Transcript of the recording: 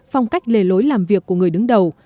phong cách lề lối làm việc của người đứng đầu